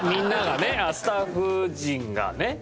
スタッフ陣がね。